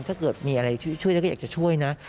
ถ้าเกิดมีอะไรช่วยแล้วก็อยากจะช่วยนะ